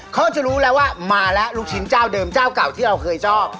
เขาจะรู้แล้วว่ามาแล้วลูกชิ้นเจ้าเดิมเจ้าเก่าที่เราเคยชอบ